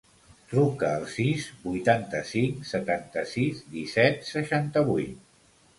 Truca al sis, vuitanta-cinc, setanta-sis, disset, seixanta-vuit.